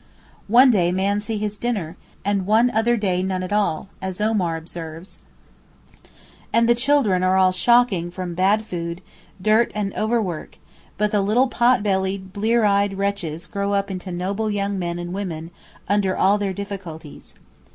'One day man see his dinner, and one other day none at all,' as Omar observes; and the children are shocking from bad food, dirt and overwork, but the little pot bellied, blear eyed wretches grow up into noble young men and women under all their difficulties.